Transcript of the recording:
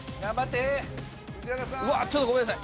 うわあちょっとごめんなさい。